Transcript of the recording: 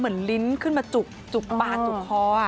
เหมือนลิ้นขึ้นมาจุกปากจุกคอ